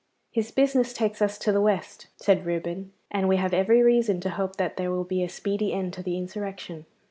'His business takes us to the West,' said Reuben, 'and we have every reason to hope that there will be a speedy end to the insurrection.